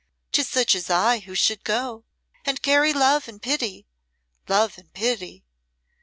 'Tis such as I who should go, and carry love and pity love and pity!"